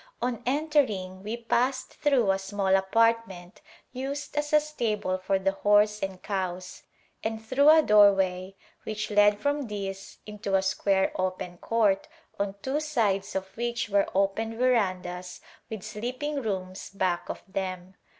On entering we passed through a small apartment used as a stable for the horse and cows, and through a doorway which led from this into a square open court, on two sides of which were open verandas with sleeping rooms back of them.